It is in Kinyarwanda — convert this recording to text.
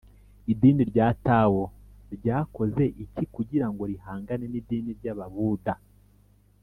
idini rya tao ryakoze iki kugira ngo rihangane n’idini ry’ababuda?